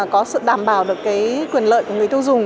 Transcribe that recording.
có sự đảm bảo được cái quyền lợi của người tiêu dùng